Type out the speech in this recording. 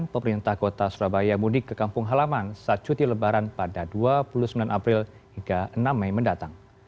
pemerintah kota surabaya mudik ke kampung halaman saat cuti lebaran pada dua puluh sembilan april hingga enam mei mendatang